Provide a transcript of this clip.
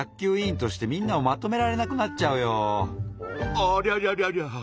ありゃりゃりゃりゃ。